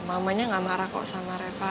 mamanya gak marah kok sama reva